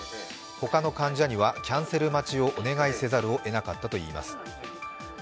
他の患者にはキャンセル待ちをお願いせざるをえなかったといいます。